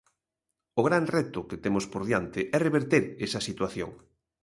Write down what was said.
O gran reto que temos por diante é reverter esa situación.